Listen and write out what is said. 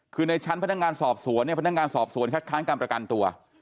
คือในชั้นพนักงานสอบสวนเนี่ยพนักงานสอบสวนคัดค้างการประกันตัว